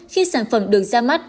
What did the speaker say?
khi sản phẩm được ra mắt